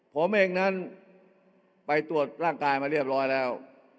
ผมเองนั้นไปตรวจร่างกายมาเรียบร้อยแล้ว